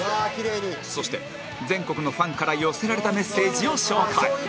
そして全国のファンから寄せられたメッセージを紹介